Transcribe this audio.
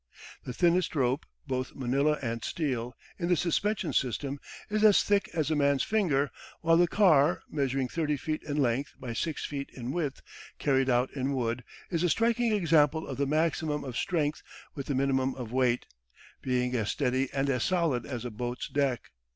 The thinnest rope, both manilla and steel, in the suspension system is as thick as a man's finger, while the car, measuring 30 feet in length by 6 feet in width, carried out in wood, is a striking example of the maximum of strength with the minimum of weight, being as steady and as solid as a boat's deck.